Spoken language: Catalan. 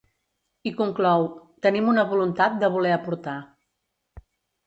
I conclou: Tenim una voluntat de voler aportar.